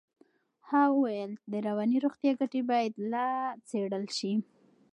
ها وویل د رواني روغتیا ګټې باید لا څېړل شي.